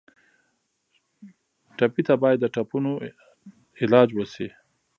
ټپي ته باید د ټپونو علاج وشي.